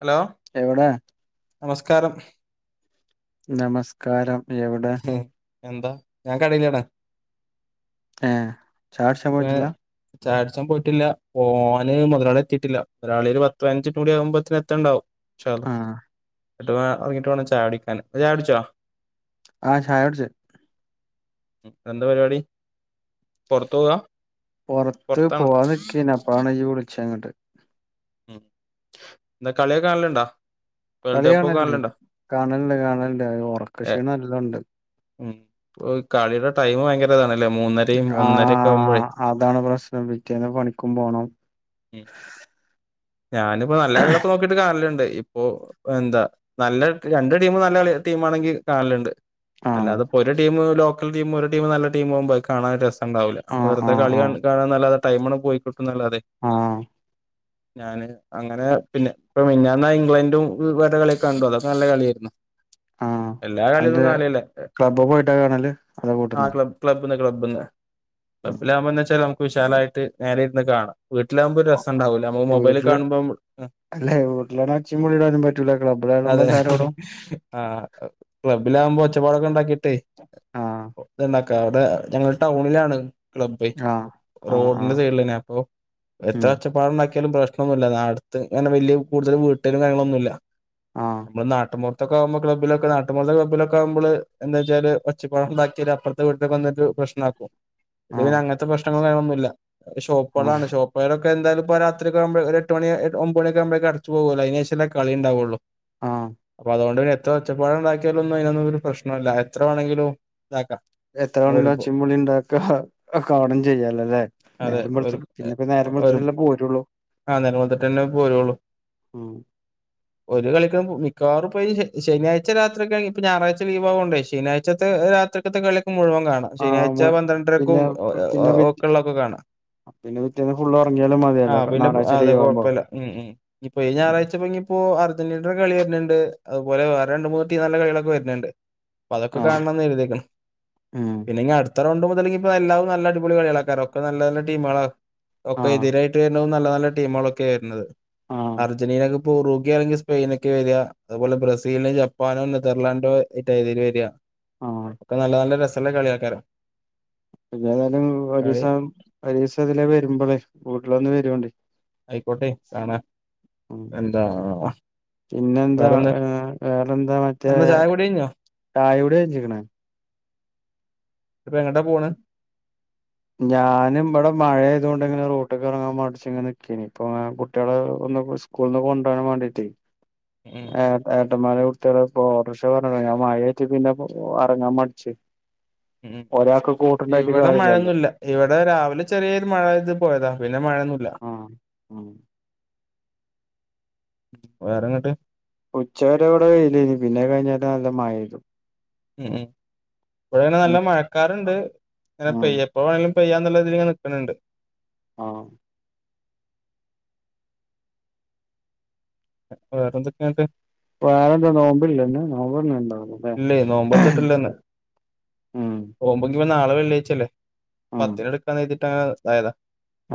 Hello എവ്ടേ നമസ്കാരം നമസ്കാരം എവിടെ എന്താ ഞാൻ കടയിലാണ് ഏ ചായുട്ച്ചാൻ പോയിട്ടില്ലാ ചായുട്ച്ചാൻ പോയിട്ടില്ലാ പോവാന് മൊതലാളി എത്തീട്ടില്ല മൊതലാളി ഒര് പത്ത് പൈനഞ്ച് മിനിറ്റും കൂടി ആവുമ്പോത്തിന് എത്തെണ്ടാവും ആ ഇൻശാഅല്ലാഹ് ങ്ങട്ട് വേ എറങ്ങീട്ട് വേണം ചായുടിക്കാന് ഇങ്ങള് ചായുട്ച്ചോ ആ ചായുട്ച്ച് എന്താ പരിപാടി പൊറത്തോവാ പൊറത്ത് പോവാൻ നിക്കേന്നു അപ്പഴാണ് ഇയ്യ് വിളിച്ചെങ്ങട്ട് മ് എന്താ കളിയൊക്കെ കാണൽണ്ടോ കളി കാണൽണ്ട് കാണൽണ്ട് കാണൽണ്ട് അത് ഒറക്കക്ഷീണം നല്ലോണ്ട് മ് ഒ കളിടെ ടൈം ഭയങ്കരതാണെ ആ അതാണ് പ്രശ്നം പിറ്റേന്ന് പണിക്കും പോണം ഉം ഞാന്പ്പ നല്ല കളികളൊക്കെ നോക്കിട്ട് കാണല്ണ്ട് ഇപ്പോ എന്താ നല്ല രണ്ട് ടീമും നല്ല കളി ടീമാണെങ്കിൽ കാണല്ണ്ട് ആ അല്ലാതെപ്പോ ഒരു ടീമ് ലോക്കൽടീമും ഒര് ടീമ് നല്ല ടീമും ആകുമ്പ അത് കാണാൻ ഒരു രസ ണ്ടാവൂല ആ ആ വെർതെ കളി ആ കാണ് കാണന്നല്ലാതെ ടൈമാണ്ട് പോയി കിട്ടുംന്നല്ലാതെ ആ ഞാന് അങ്ങനെ പിന്നെ ഇപ്പ മിഞ്ഞാന് ഇംഗ്ലണ്ടും [unintelligible] കളിയൊക്കെ കണ്ടു അതൊക്കെ നല്ല കളിയേര്ന്നു ആ എല്ലാ കളിയൊന്നും അന്റെ കാണൽല്ല ക്ലബ്ബ് പോയിട്ടാ കാണല് അതോ ആ വീട്ട്ന്നോ ക്ല ന്ന് ക്ലബ്ബ്ന്ന് ഉം ക്ലബ്ബിലാകുമ്പോന്താച്ചാല് നമുക്ക് വിശാലായിട്ട് നേരെ ഇര്ന്ന് കാണാ വീട്ടിലാകുമ്പോ ഒര് രസണ്ടാവൂല നമ്മ മൊബൈല് വീട്ടില് കാണുമ്പം അല്ലെ വീട്ടിലാണെ ഒച്ചയും വിളിയും ഇടാനും പറ്റൂല ക്ലബ്ബിലാവുമ്പോ അതെ എല്ലാരോടും ആ ക്ലബ്ബിലാകുമ്പോ ഒച്ചപ്പാടൊക്കെണ്ടാക്കിട്ടെ ആ എന്താ കട ഞങ്ങള് ടൗണിലാണ് ക്ലബ്ബെ ആ ആ ആ റോഡ്ന്റെ സൈഡിലെന്നെ അപ്പോ ഉം എത്ര ഒച്ചപ്പാട്ണ്ടാക്കിയാലും പ്ര ശ്നൊന്നുല്ല അട്ത്ത്ങ്ങനെ വല്ല്യേ കൂട്തല് വീട്ട്കളും കാര്യങ്ങളൊന്നുല്ല ആ നമ്മള് നാട്ടുംപൊർ ത്തൊക്കെ ആകുമ്പോ ക്ലബ്ബിലൊക്കെ നാട്ടുംപൊറത്തെ ക്ലബ്ബിലൊക്കാകുമ്പള് എന്താച്ചാല് ഒച്ചപ്പാട്ണ്ടാക്കിയാല് അപ്പർത്തെ വീട്ട്ക്കെ വന്ന്ട്ട് പ്രശ്നാക്കും ഇത് ആഹ് പിന്നങ്ങൻത്തെ പ്രശ്നങ്ങളും കാര്യങ്ങളൊന്നുംല്ല ആഹ് ഷോപ്പേളാണ് ഷോപ്പേളൊക്കെ എന്തായാലും ഇപ്പോ രാത്രി ഒക്കെ ആകുമ്പോള് ഒര് എട്ട് മണി ഒമ്പണിക്കെ ആകുമ്പഴേക്കും അടച്ച് പോവോല്ലോ അയ്നേഷല്ലേ കളിണ്ടാവുള്ളൂ ആഹ് അപ്പൊ അതോണ്ട് പിന്നെ എത്ര ഒച്ചപ്പാട്ണ്ടാക്കിയാലൊന്നും അയ്നൊന്നും ഒരു പ്രശ്നോല്ല എത്ര വേണങ്കിലും എത്ര വാണങ്കിലും ഒച്ചിം ബുളീംണ്ടാക്ക കാണും ചെയ്യാലല്ലോ ലെ അതെ ഒരു നേരംവെൾത്ത് പിന്നെപ്പ നേരം രം ഒരു വെളുത്തിട്ടല്ലേ പോരൊ ആ ഞങ്ങളട്ടന്നെ പോരുള്ളു ഉം ഒരു കളിയൊക്കെ മിക്കവാറും പോയി ശനിയാഴ്ച രാത്രിയൊക്കെണെങ്കി ഇപ്പ ഞാറാഴ്ച ലീവ് ആവോണ്ടേ ശനിയാഴ്ചത്തെ രാത്രിക്കത്തൊക്കെ കളിഒക്കെ മുഴുവൻ കാണാ ആഹ് മ് ശനിയാഴ്ച പന്ത്രണ്ടരക്കും പിന്നെ പിന്നെ പിറ്റ് ഒക്കെള്ളതൊക്കെ കാണാ പിന്നെ പിറ്റേന്ന് ഫുളള് ഒറങ്ങിയാലും മതി ആ പിന്നെ അതെ കൊഴപ്പല്ല ഉം ഉം ഇഞ്ഞിപ്പൊ ഈ ഞാറാഴ്ചപ്പൊഞ്ഞിപ്പൊ അർ ജന്റിനന്റെ കളി വര്ന്ന്ണ്ട് അതുപോലെ വേറെ രണ്ട് മൂന്ന് ടീ നല്ല കളികളൊക്കെ വര്ന്ണ്ട് അപ്പൊ അതൊക്കെ ആഹ് കാണണംന്ന് കരുതീകുണു ഉം പിന്നെ ഇഞ്ഞി അട് അത്ര ഉണ്ട് മുതലെങ്കി ഇ എല്ലാവും ത്ത റൗണ്ട് മുതലിഞ്ഞിപ്പോ എല്ലാതും നല്ല അടിപൊളി കളികളാക്കാരം ഒക്കെ നല്ല നല്ല ടീമേളാവും ഒക്കെ ആഹ് എതിരായി വര്ന്നതും നല്ല നല്ല ടീമേളൊക്കെ വര്നത് ആഹ് അര്ജന്റീനക്ക് പോർുഗ അല്ലെങ്കിൽ സ്പെയിന ബുറുഗി അല്ലെങ്കി സ്പെയിനൊക്കെ വര അതുപോലെ ബ്രസീലിന് ജപ്പാനോ നെതർലാൻഡോ റ്റെ ഇതില് വര ആഹ് ഒക്കെ നല്ല നല്ല രസള്ള കളിയാക്കാരം ഇങ്ങളേതായാലും കളി ഒരീസം ഒരീസം ഇതിലെ വരുമ്പളെ വീട്ടിലൊന്ന് വരോണ്ടി അയ്ക്കോട്ടെ കാണാ ഉം എന്താ പിന്നെന്താ വേറെന്താ ഏ വേറെന്താ മറ്റേ വേറെന്താ ചായ കുടി കഴിഞ്ഞോ തായവിടെ ജിക്കണ [unintelligible] ഇപ്പൊ എങ്ങട്ടാ പോണ് ഞാനും ഇവിടെ മഴ ആയതുകൊണ്ട് ഇങ്ങനെ റൂട്ടൊക്കെ ഇറങ്ങാൻ പ നിക്കപ്പ കുട്ടികളെ ഒന്ന് സ്കൂള നിന്ന് കൊണ്ട പോോരാൻ വേണ്ടിട്ട ഉം ആത അ അന്മാെടുത്തക്ഷ പറഞ്ഞ മായട്ട പിന്നെ അറങ്ങാൻ മടിച്ചു ഉം ഇവിടെ കാര്യല്ലല്ലോ മഴയൊന്നുമല്ല ഇവിടെ രാവിലെ ചെറിയൊരു മഴ ഇത് പോയതാ പിന്നെ െ മഴയൊന്നുമല്ല ആഹ് ഉം വേറെങ്ങോട്ട് ഉച്ചകരെവിടെ കയ്യിലന് പിന്നെ കഴിഞ്ഞാല നല്ല മരുന്നു ഉ ഉ ഇവിടെങ്ങനെ നല്ല മഴക്കാറണ്ട് അങ്ങനെ ആഹ് പെയ്യ എപ്പോ വേണിലും ചെയ്യാ എന്നുള്ള രതിൽ നിക്കുന്നുണ്ട് ആ വേറെന്തൊക്കെയാക്കെ ഇപ്പ വറെന്താ നോമ്പില്ലന്നെ നോമ്പന്നണ്ടാവോ ഇല്ലേ നോമ്പർത്തിട്ടല്ലേന്ന് ഉം ഓ്പക്ക ഇ നാളെ വെള്ളിയാഴച്ചല്ലേ ഉം പത്തിന് എടുക്കാ എഴ്തിട്ട അങ്ങനെ അതായതാ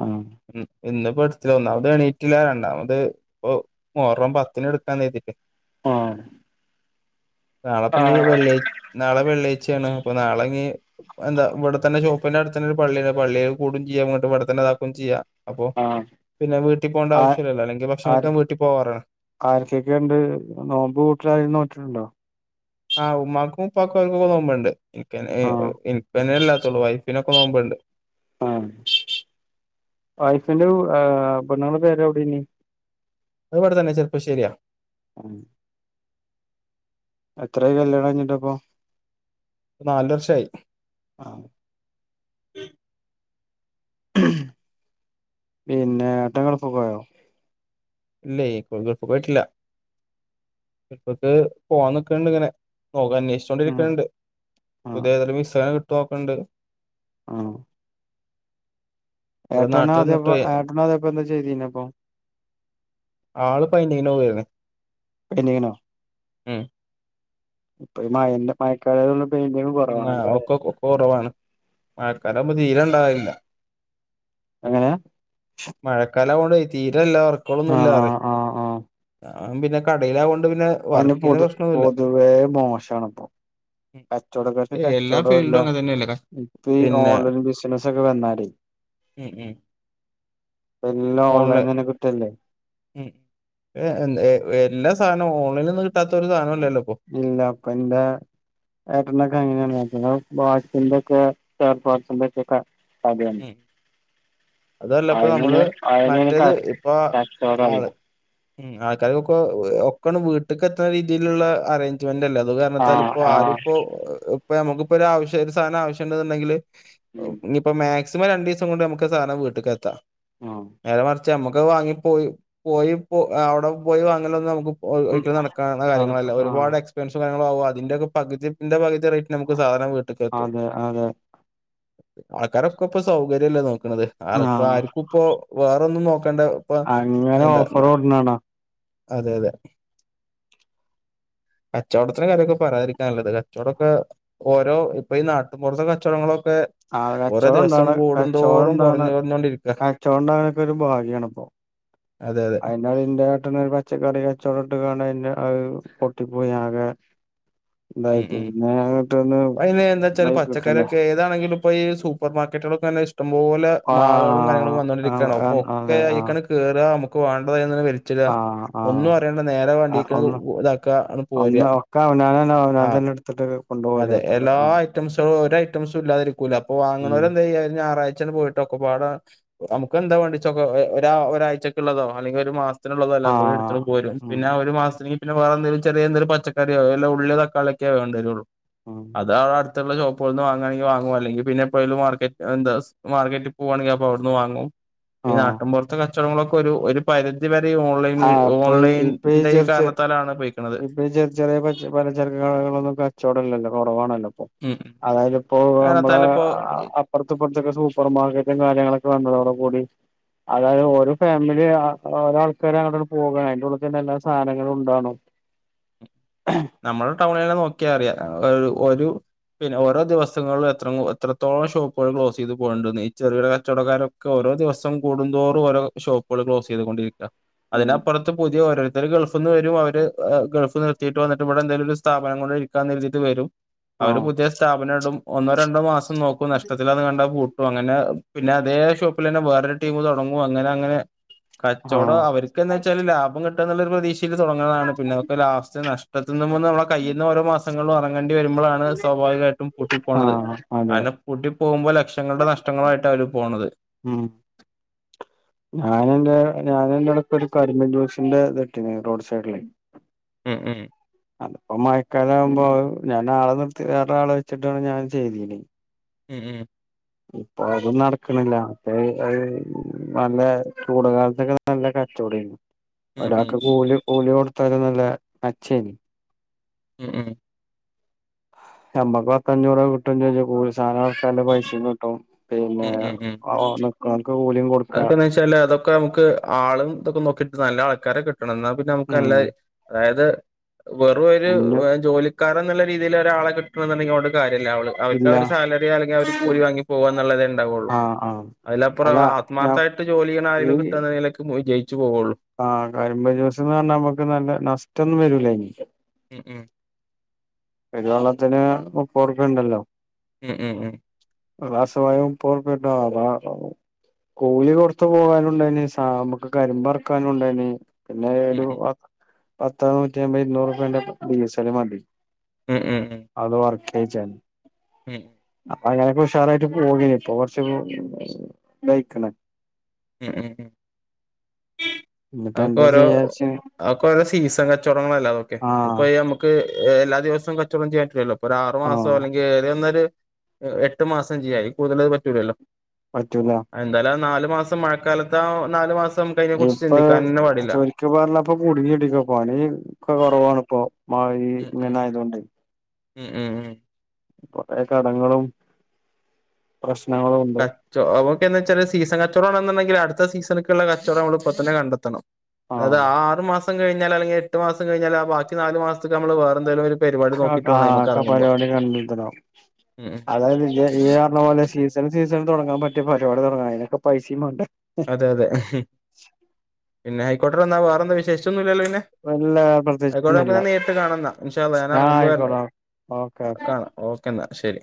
ആഹ് ഉ ഇന്നിപ്പോ എടുത്തി ഒന്നാമത് എണീട്ടില്ല രണ്ടാമത് ഇപ്പ മോർം പത്തിന് എടുക്കാ തഴ്തിട്ട് ആ നാളെപ്പ ഇ വെള്ളിയ് നാളെള്ളിയാഴ്ചയാണ് അപ്പൊ നാളെ ഇ എന്താ ഇവിടെ തന്നെ ഷോപ്പിന്റെ അടുത്തന്ന ഒരു പള്ളിയ പള്ളികൽ കൂടും ചെയ്യാ ഇങ്ങോട്ട് ഇവിടെന്നെ ഇതാക്കും ചെയ്യാ അപ്പൊ പിന്നെ വീട്ടിൽ പോകേണ്ട ആവശ്യമല്ലല്ലോ അല്ലെങ്കിൽ ഭക്ഷണ ഒക്കാൻ വീട്ടിൽ പോവാറാണ് ആർക്കൊക്കെ ഉണ്ട് നോമ്പ് വിട്ടില രൂ നോറ്റിട്ടുണ്ടോ ആഹ് ഉമ്മാക്കും ഉപ്പാക്കുംക്ക തോ്പണ്ട് ആഹ് ഇനിന്നെല്ലാ വൈഫിനൊക്കെ നോുമ്പണ്ട് ആ വൈഫിന്റെ ബണങ്ങളുടെ പേര് എവിടന്ന വിടെ തന്നെ ചെറുപ്പളാശരിയാ [unintelligible] എത്ര കല്യാണം കഞ്ഞിട്ടപ്പൊ ഇ നാല വർഷയി ആഹ് പിന്നെ ഏട്ടൻ ഗെൾപ്പക്കായോ ഇല്ലേ കോഴികഴപ്പ പോയിട്ടില്ല ഇപ്പൊക്ക് പോവാൻ നക്കണ്ട് ഇങ്ങനെ നോക്കാൻ ആഹ് അന്വേഷിച്ചോണ്ടിരിക്കണ്ട് പുതിയ തല മിസന കിട്ടുോക്കണ്ട് ആ ഇവിടെ ഏട്ടന നാട്ടിൽ നിന്നിട്ട് അതപ്പ ഏട്ടന അതപ്പ എന്താ ചെയ്തിന്നപ്പൊ ആള് പയിന്റിംഗിനോവേര്ന്ന് പെയ്ൻ്റിങ്ങിനോ ഉം ഇപ്പൊ ഈ മഴന്റെ മയക്കാലായതോണ്ട് ഉം ഒക്കൊക് കൊറവാണ് മഴക്കാലാവുമ്പൊ തീരെ ഇണ്ടാവലില്ല. എങ്ങനെ മഴക്കാലാവോണ്ടെയ് തീരല്ല ആഹ് വർക്കോളൊന്നുംല്ലാറ്യേ ആഹ് ഞാൻപിന്നെ കടയിലാവോ ഇപ്പൊ അയ്ന് പൊതു പൊതുവേ മോശാണ്പ്പൊ. കച്ചോടക്കാര്ക്ക് എല്ലാ കച്ചോടോല്ല ഫീൽഡും അങ്ങനെ തന്നെയല്ലേ ക- ഇപ്പ ഈ പിന്നെ ഓൺലൈൻ ബിസിനസ് ഒക്കെ വന്നാരേ ഉം ഉം എല്ലാം ഓൺലെ ഓൺലൈൻ തന്നെ കിട്ടല്ലേ ഉം എ എന്തെ ഏ എല്ലാ സാനവും ഓ ഇല്ല ഇപ്പൻ്റെ ഏട്ടനൊക്കെ അങ്ങനേണ് ഞാന് [unintelligible] അതല്ല ഇപ്പൊ നമ്മള് അയിനാണ് ക മറ്റേത് ഇപ്പൊ കച്ചോടം ആള് അറിയാം ഉം ആൾക്കാർക്കൊക്കെ ഓഹ് ഒക്കണം വീട്ട്ക്ക് എത്ത രീതിയിലുള്ള അറേഞ്ച്മെന്റല്ലേ ത് കാരണത്താൽ ആഹ് ഇപ്പോ ആഹ് ആരുപ്പോ പ്പൊ നമക്കിപ്പോ രാവശ്യം ഒരു സാനം ആവശ്യണ്ടെന്നുണ്ടെങ്കില് ഉം ഓഹ് ഞ്ഞിപ്പം മാക്സിമം രണ്ടീസം കൊണ്ട് നമുക്ക് സാധനം വീട്ട്ക്ക് എത്താ ആഹ് ച്ചേ അമ്മക്കഹ് വാങ്ങി പോയി പോയി പോ അവിടെ പോയി വാങ്ങലൊന്ന് നമുക്ക് ഓഹ് ഉം ഒരിക്കലും നടക്കാവുന്ന കാര്യങ്ങളല്ല നടക്കും ആഹ് ഒരുപാട് എക്സ്പെൻസും കാര്യങ്ങളും ആകും അതിന്റെക്കെ പകുതിൻ്റെ പകു ദ റേറ്റിന് നമുക്ക് സാധനം വീട്ട്ക്ക് എത്തും. അതെ അതെ ആൾക്കാരൊക്കെ പ്പം സൗകര്യല്ലേ നോ ക്ണത് ആർക്കും ആഹ് ആരിക്കും പ്പോ വേറൊന്നും നോ കണ്ട പ്പ അങ്ങനെ എന്താ ഓഫർ കൊട്ന്നാണോ അതെ അതെ കച്ചവടത്തിൻ്റെ കാര്യോക്കെ പറയാതിരിക്കാ നല്ലത്. കച്ചോടോക്കെ ഓരോ ഇപ്പൊ ഈ നാട്ടും പൊർത്തെകെ കച്ചോടങ്ങളൊ ആഹ് കച്ചോടോണ്ടോ കച്ചോടം ഇണ്ടാണ്. കുറഞ്ഞു കുറഞ്ഞോണ്ടിരിക്കാ കച്ചോടം ണ്ടാകാനൊക്കെ ഒരു ഭാഗ്യാണിപ്പോ അതെ അതെ അതിൻ്റെ അയിൻ്റെ ട്ടെന്ന് ഒരു പച്ചക്കറി കച്ചവടം ഇട്ട് കാൺനെ ന്നെ അഹ് പൊട്ടി പോയി ആകെ ഇതായി ഉം ഉം പിന്നെ അങ്ങട്ടൊന്ന് അയിനെ എന്താച്ചാല് ഇതായി കിട്ടണ്ടേ പച്ചക്കറിയൊക്കെ ഏതാണെങ്കിലും പ്പോ ഈ സൂപ്പർ മാർക്കറ്റുകളൊക്കെ നല്ല ഇഷ് ടം പോലെ മാളുകളും കാര്യങ്ങളും ആഹ് ഒക്കെ ആഹ് വന്നുകൊണ്ടിരിക്കാണ്. ഓപ്പോ ഒക്കെ അതെ ആഹ് അയിക്കാണ് കേറ അമുക്ക് വേണ്ടത് അയേ നിന്ന് വെ ച്ചിട ആഹ് ആഹ് ഒന്നും അറിയണ്ട നേരെ ആ വണ്ടിക്ക് ത് ഉ ഒന്ന് ഉ ഇതാക്ക അങ് ഒന്ന് പോരാ ഒക്കെ അവനാനന്നെ അവനാൻ ആഹ് തന്നെ എടുത്തിട്ട് കൊണ്ടുപോവല്ലേ അതെ യാത്രത് എല്ലാ ആ ഐറ്റംസുകളും ഒ ഐറ്റംസ് ഇല്ലാതിരിക്കൂല. അപ്പോ ഉം. വാങ്ങുന്നവരെ എന്ത്യ്യ ഒരു ഞായറാഴ് ഴ്ച്ചട് പോയിട്ടോ ഒക്കെപാടെ നമക്കെന്താ വേണ്ടിച്ചോക്കേ ഒ ഒരാ ഒരാഴ്ചക്ക് ള്ളതോ അല്ലെങ്കി ഒരു മാസ് ആ ത്തിനുള്ളതെല്ലാം കൂടി എടുത്ത്ണ് പോര. ഉം പിന്നെ ഒരു മാസത് നി വേറെന്തേലു ചെറിയന്തേലു പച്ചക്കറിയോ വല്ല ഉള്യോ ത ളാക്കേ വേണ്ടരുള്ളൂ ഉം അതടു ത്തുള്ള ഷോപ്പ്കളിൽ വന്ന് വാങ്ങുവാണെങ്കി വാങ്ങും അല്ലെങ്കിൽ പിന്നെ എപ്പോഴെലും മാർക്കറ്റ് എന്താ മാർക്കറ്റിൽ പോവാണെങ്കി അപ്പോ അവിടുന്ന് വാങ്ങും ആ ഈ നാട്ടിൻപുറത്തെ കച്ചോടങ്ങളൊക്കെ ഒരു പരിധി രിധിവരെ ഓൺലൈൻ ആ ഇപ്പൊ ഈ ഇപ്പൊ ഓൺലൈൻന്റെ ഈ ചെറിയ ചെ കാരണത്താലാണ് പോയി ഇപ്പൊ ചെറി ചെറിയ പലചരക്ക് കടകളൊന്നും കച്ചോടമില്ലല്ലോ കുറവാണല്ലോ ഉം അതായത് ഇപ്പോ നമ്മള കാരണത്താലിപ്പോ അപ്പറത്തും ഇപ്പറത്തൊക്കെ സൂപ്പർ മാർക്കറ്റും കാര്യങ്ങളൊക് വന്നതോട് കൂടി അതായത് ഓരോ ഫാമിലി ഓരോ ആൾക്കാര് അങ്ങോട്ട് ഇങ്ങോട്ട് പോകണം അതിന്റെ ഉള്ളിലേക്ക് തന്നെ എല്ലാ സാധനങ്ങളും ഉണ്ടാണു നമ്മുടെ ടൗണെല്ലാം നോക്കിയാ അറിയാം ഒരു ഒരു പിന്നെ ഓരോ ദിവസങ്ങളിലും എത്ര എത്രത്തോളം ഷോപ്പുകൾ ക്ലോസ് ചെയ്ത് പോകുന്നുണ്ടെന്ന് ഈ ചെറുകിട കച്ചവടക്കാരൊക്കെ ഓരോ ഓരോ ദിവസം കൂടുന്തോറും ഓരോ ഷോപ്പുകൾ ക്ലോസ് ചെയ്തുകൊണ്ടിരിക്ക ഉം അതിനപ്പുറത്ത് പുതിയ ഓരോരുത്തർ ഗൾഫിന്ന് വരും അവര് ഗൾഫ് നിർത്തിയി ന്നിട്ട് ഇവിടെ എന്തെലും സ്ഥാപനം കൊണ്ട് ഇരിക്കാൻ കരുതീട്ട് വരും ആ അവര് പുതിയ സ്ഥാപനം ഇടും ഒന്നോ രണ്ടോ മാസം നോക്കും നഷ്ടത്തിലാന്ന് കണ്ടാൽ പൂട്ടും അങ്ങനെ പിന്നെ അതേ ഷോപ്പിൽ തന്നെ വേറൊരു ടീമ് തുടങ്ങും അങ്ങനെ അങ്ങനെ ആ കച്ചവടം അവര്ക്ക് എന്താ വെച്ചാല് ലാഭം കിട്ടണം എന്നുള്ള ഒരു പ്രതീക്ഷ ടങ്ങതാണ് പിന്നെ ഒക്കെ ലാസ്റ്റ് നഷ്‌ടത്തുന്നുമ്മേന്ന് വേണം കൈയിൽ നിന്ന് ഓരോ മാസങ്ങളില് ഇറങ്ങണ്ട ങ്ങേണ്ടി വരുമ്പോഴാണ് സ്വാഭാവികമായിട്ടും ആ പൂട്ടിപ്പോണത് അതെ അതിനെ പൂട്ടി പോകുമ്പോ ലക്ഷങ്ങളുടെ നഷ്ടങ്ങള് ആയിട്ടാണ് അവര് പോണത് ഞാന് എന്താ ഞാൻ എൻ്റെ ടീപ്പോ ഒരു കരിമ്പ് ജൂസിന്റെ ഇത് ഇട്ടീനി റോഡ് സൈഡില് മ്മ് മ്മ് അപ്പ മഴക്കാലം ആവുമ്പോ ഞാൻ ആളെ നിർത്തി വേറെ ആളെ വെച്ചിട്ടാണ് ഞാൻ ചെയ്തീനീ മ്മ് മ്മ് ഇപ്പൊ അതും നടക്കണില്ല ഏ അയ് ചൂട്കാലത്തൊക്കെ നല്ല ഉം ഉം ഒരാൾക്ക് കൂലി കൂലി കൊടുത്താലും നല്ല അച്ചേനി മ്മ് മ്മ് ഞമ്മക്ക് പത്തഞ്ഞൂറ് രൂപ കിട്ടും ചെയ്യും കൂലി സാധനം ഇറക്കാനുള്ള പൈസയും കിട്ടും പിന്നെക്ക്ല അതക്കൊ വെച്ചാല് അതൊക്കെ നമുക്ക് ആളും ഇതൊക്കെ നോക്കിട്ട നല്ല ആൾക്കാരെ കിട്ടണം എന്നാ പിന്നെ നമുക്ക് നല്ല ഉം അതായത് വെറും ഒരുരു ജോലിക്കാർ എന്നുള്ള രീതിൽ ഒരാളെ കിട്ടണ എന്നുണ്ടെങ്കിൽ അട് കാര്യമല്ല അവള് അവർക്ക് ഇല്ല അവര് സാലറി അല്ലെങ്കിൽ അവർ കൂലിാങ്ങി പോകുകന്നുള്ളതേ ഉണ്ടാവുള്ളൂ ആഹ് ആഹ് അതിലപ്പറം അല്ല ഞാൻ ആത്മാർത്ഥായിട്ട് ജോലി ചെയ്യണ ആരെങ്കിലും കിട്ടണമെങ്കിൽ വിജയിക്കും ആഹ കരിമ്പ് ജൂസ് എന്ന് പറഞ്ഞ നമ്മുക്ക് നല്ല നഷ്ടംൊന്നും വരൂല ഇനി ഉം ഉം പരുള്ളത്തിന് പറക്കുണ്ടല്ലോ ഉം ഉം ഉം രാസവായവും പോർപ്പെട അത കൂലി കൊറത്ത പോകാനുണ്ടായിന് നമുക്ക് കരിമ്പറക്കാനുണ്ടന് പിന്നെ ഉം ഒരു പത്ത നൂറ്റി അമ്പത് ഇുന്നൂറ് രൂപേന്റെ ഡീസല് മതി ഉം ഉം ഉം പേച്ച ഉം അങ്ങനൊക്കെ ഉഷാറായിട്ട് പോക ഇപ്പൊ കൊറച്ച് ദയിക്കണ ഉം ഉം ഉ ഇനിയിപ്പോ അതക്ക എന്താ ഓരോ ചെയ്യാച്ച് അവക്ക ഓരോ സീസൺ കച്ചവടങ്ങളല്ല അതൊക്കെ ആഹ് ഇപ്പോൊ നമുക്ക് എല്ലാ ദിവസ കച്ചവടം ചെയ്യേണ്ടിില്ലല്ലോപ്പോ ഒരു ആറ് മാസം ആഹ് അല്ലെങ്കിൽ ഏ വന്നരു എട്ട് മാസം ചെയ്യായി കൂതൽത് പറ്റൂലല്ലോ പറ്റൂല എന്തായാലും നാലും മഴക്കാലത്ത നാല് മാസ ഇപ്പൊ ചൊരിക്ക പറല്ലപ്പ കുടുങ്ങിടിക്ക പോണി ഒ കുറവാാണ് ഇപ്പൊ മഴ ഉം ഉം ഇങ്ങനെയതൊണ്ട് ഉം ഉം ഉം പഴയ കടങ്ങളും പ്രശ്നങ്ങളും ഉണ്ട് കച്ചോ നമുക്ക എാ വച്ചാല് സീസൻ കച്ചോടാണെന്നുണ്ടെങ്കിൽ അ ത്തെ സീസണക്കുള്ള കച്ചവടം നമ്മ ഇപ്പ തന്നെ കണ്ടെത്തണം അത് ആഹ് ആു മാസ മാം കഴഞ്ഞാൽ അെങ്കിൽ എട്ട്സം കഴഞ്ഞാൽ ആ ബി നാല് മാസത്ത നമ്മൾ വേറെ എന്തെലും ഒരു പരിപാടി നോക്കിട്ട് വേണം ആഹ അയ്മക്ക് ഒക്കെ എറങ്ങുമ്പോ പരിപാടി കണ്ടടാവ ഉം അതായത് ഈ പറഞ്ഞ പോലെ സീസണ സീസണ തുടങ്ങാൻ പറ്റിയ പരിപാടി തുടങ്ങാം അതിനൊക്കെ പൈസയും വേണ്ട അതെ അതെ പിന്നെ ഹൈക്കോട്ടിൽ വന്നാ വേറെന്താ വിശേഷിച്ചൊന്നുമല്ലല്ലോ വല്ല െ അയിക്കോടെക്ക പ്രത്യേകിച്ചൊന്നുമില്ല ഞാൻ നേരിട്ട് കാണന്നാ ഇഷല്ല ഞാൻ ആഹ് ഇറങ്ങുമ്പോ വരേ ആയിക്കോട്ടെ ഓക്കെ കാണാം ഓക്കെ എന്നാ ശരി